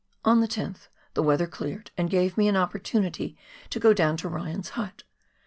On the 10th the weather cleared and gave me an opportunity to go down to E yan's hut.